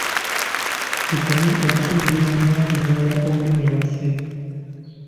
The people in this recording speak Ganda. Tukomye okuvumirira n'okuvvoola olulimi lwaffe.